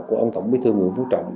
của ông tổng bí thư nguyễn phú trọng